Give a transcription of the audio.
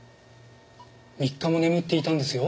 ３日も眠っていたんですよ。